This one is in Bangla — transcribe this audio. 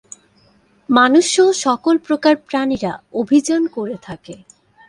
মানুষ সহ সকল প্রকার প্রাণীরা অভিযান করে থাকে।